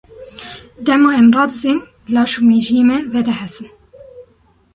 Dema em radizên laş û mejiyê me vedihesin.